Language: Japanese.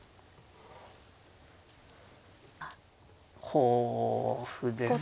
ほう歩ですか。